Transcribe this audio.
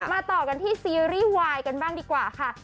ต่อกันที่ซีรีส์วายกันบ้างดีกว่าค่ะ